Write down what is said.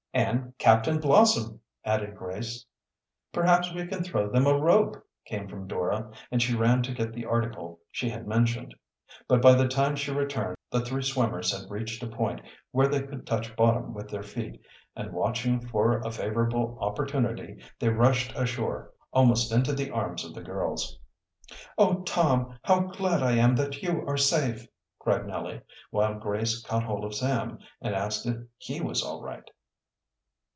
"And Captain Blossom," added Grace. "Perhaps we can throw them a rope," came from Dora, and she ran to get the article she had mentioned. But by the time she returned the three swimmers had reached a point where they could touch bottom with their feet, and, watching for a favorable opportunity, they rushed ashore, almost into the arms of the girls. "Oh, Tom, how glad I am that you are safe!" cried Nellie, while Grace caught hold of Sam and asked if he was all right.